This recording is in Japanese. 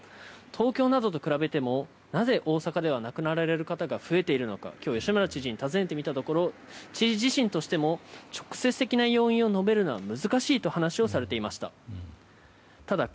東京などと比べてもなぜ、大阪では亡くなられる方が増えているのか、今日吉村知事に尋ねてみたところ知事自身としても直接的な要因を述べるのは難しいと話をされていました。